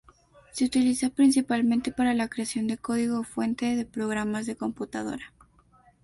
Se utiliza principalmente para la creación de código fuente de programas de computadora.